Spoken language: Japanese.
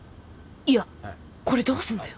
いやこれどうすんだよ？